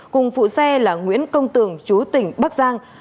cùng phụ xe là nguyễn công tường chú tỉnh bắc giang